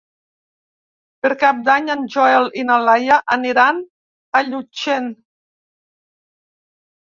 Per Cap d'Any en Joel i na Laia aniran a Llutxent.